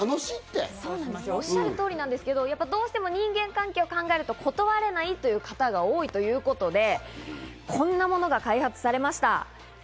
おっしゃる通りなんですけど、どうしても人間関係を考えると断れないという方が多いということで、こんなものが開発されました。